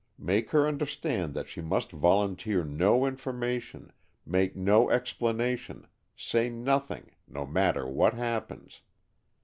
Make her understand that she must volunteer no information, make no explanation, say nothing, no matter what happens.